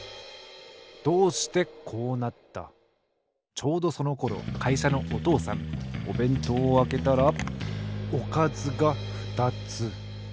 ちょうどそのころかいしゃのお父さんおべんとうをあけたらおかずがふたつ。